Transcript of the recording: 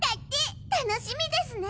楽しみですね！